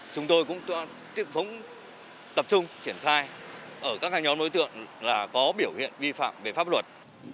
chúng tôi cũng tiếp tập trung triển khai ở các nhóm đối tượng có biểu hiện vi phạm về pháp luật